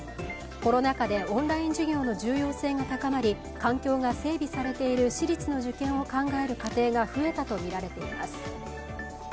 コロナ禍でオンライン授業の重要性が高まり環境が整備されている私立の受験を考える家庭が増えたとみられています。